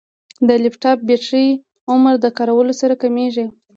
د لپټاپ بیټرۍ عمر د کارولو سره کمېږي.